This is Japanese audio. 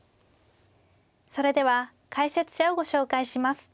それでは解説者をご紹介します。